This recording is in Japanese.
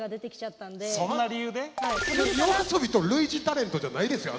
ＹＯＡＳＯＢＩと類似タレントじゃないですよ